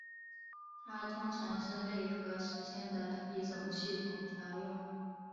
它通常是内核实现的一种系统调用。